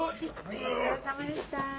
お疲れさまでした。